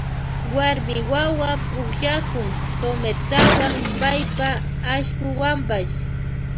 Warmi wawa pukllakun cometawan paypa ashkuwanpash.